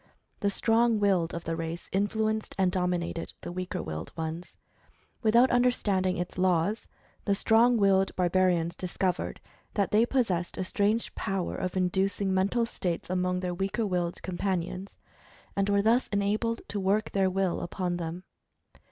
The strong willed of the race influenced and dominated the weaker willed ones. Without under standing its laws, the strong willed barbarians discov ered that they possessed a strange power of inducing mental states among their weaker willed companions, and were thus enabled to work their will upon them.